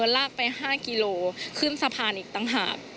ลากไป๕กิโลขึ้นสะพานอีกต่างหาก